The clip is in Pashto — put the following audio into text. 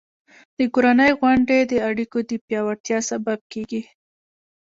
د کورنۍ غونډې د اړیکو د پیاوړتیا سبب کېږي.